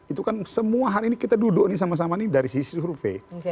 itu kan semua hari ini kita duduk nih sama sama ini dari sisi survei